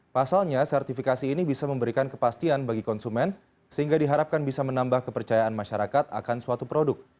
pasalnya sertifikasi ini bisa memberikan kepastian bagi konsumen sehingga diharapkan bisa menambah kepercayaan masyarakat akan suatu produk